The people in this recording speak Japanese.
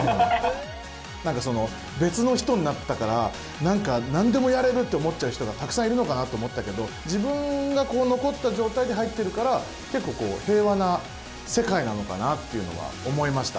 何かその別の人になったから何でもやれると思っちゃう人がたくさんいるのかなと思ったけど自分がこう残った状態で入ってるから結構平和な世界なのかなっていうのは思いました。